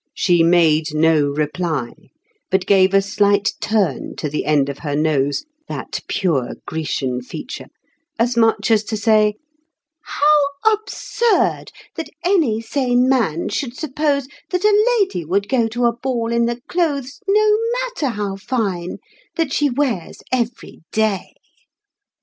She made no reply, But gave a slight turn to the end of her nose (That pure Grecian feature), as much as to say, "How absurd that any sane man should suppose That a lady would go to a ball in the clothes, No matter how fine, that she wears every day!"